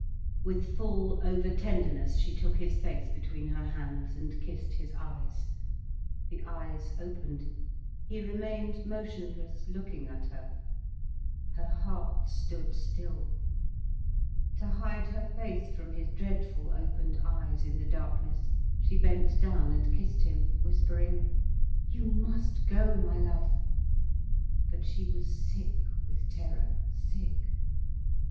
With full over tenderness she took his face between her hands, and kissed his eyes. The eyes opened, he remained motionless, looking at her. Her heart stood still. To hide her face from his dreadful opened eyes, in the darkness, she bent down and kissed him, whispering: "You must go, my love." But she was sick with terror, sick.